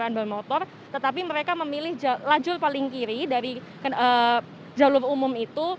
bukan memiliki jalan berantakan motor tetapi mereka memilih lajur paling kiri dari jalur umum itu